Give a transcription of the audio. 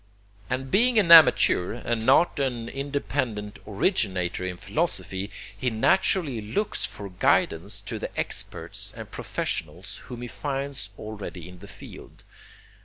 And being an amateur and not an independent originator in philosophy he naturally looks for guidance to the experts and professionals whom he finds already in the field.